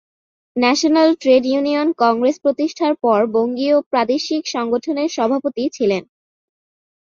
National trade union congress প্রতিষ্ঠার পর বঙ্গীয় প্রাদেশিক সংগঠনের সভাপতি ছিলেন।